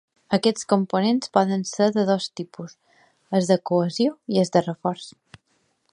Aquests components poden ser de dos tipus: els de cohesió i els de reforç.